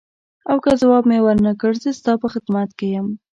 او که ځواب مې ورنه کړ زه ستا په خدمت کې یم.